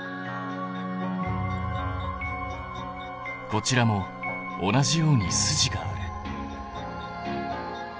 こちらも同じように筋がある。